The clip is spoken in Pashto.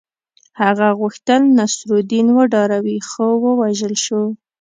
هغه غوښتل نصرالدین وډاروي خو ووژل شو.